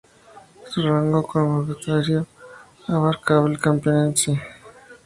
Su rango cronoestratigráfico abarcaba el Campaniense.